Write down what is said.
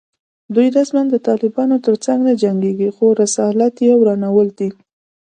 دوی رسماً د طالبانو تر څنګ نه جنګېږي خو رسالت یې ورانول دي